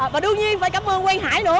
và đương nhiên phải cảm ơn quyên hải nữa